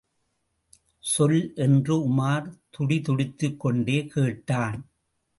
சொல்? என்று உமார் துடிதுடித்துக் கொண்டே கேட்டான்.